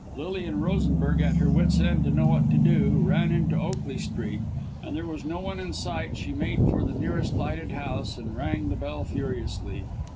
Lilian Rosenberg, at her wits' end to know what to do, ran into Oakley Street, and as there was no one in sight, she made for the nearest lighted house and rang the bell furiously.